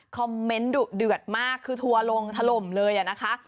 คอมเมนต์ดุเดือดมากคือทัวร์ลงถล่มเลยอะนะคะ